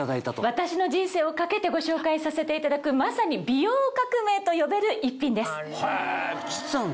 私の人生を懸けてご紹介させていただくまさに美容革命と呼べる逸品です。